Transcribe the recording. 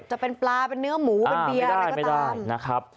จะเป็นปลาเป็นเนื้อหมูเป็นเบียร์อะไรก็ตามนะครับ